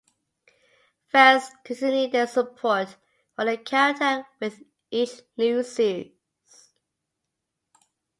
Fans continued their support for the character with each new series.